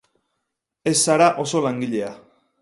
Ez zara oso langilea.